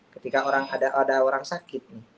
ketika ada orang sakit